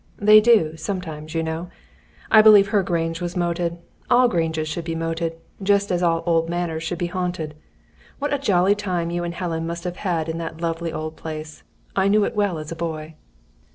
They do, sometimes, you know! I believe her grange was moated. All granges should be moated; just as all old manors should be haunted. What a jolly time you and Helen must have in that lovely old place. I knew it well as a boy."